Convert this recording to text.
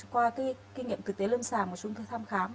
qua kinh nghiệm thực tế lân sàng của chúng tôi tham khám